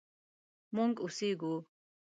مونږ اوسیږو